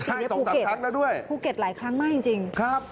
ค่ะ๒๓ครั้งแล้วด้วยภูเก็ตหลายครั้งมากจริงครับ